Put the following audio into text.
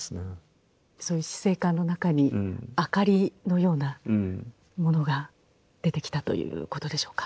そういう死生観の中に明かりのようなものが出てきたということでしょうか？